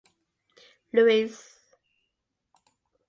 Louis.